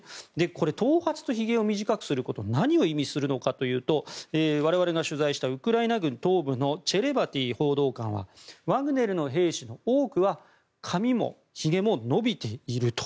頭髪とひげを短くすることは何を意味するのかというと我々が取材したウクライナ軍東部のチェレバティ報道官はワグネルの兵士の多くは髪もひげも伸びていると。